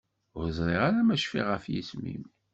Ur ẓriɣ ara ma cfiɣ ɣef yisem-im.